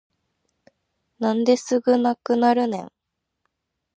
なんですぐなくなるねん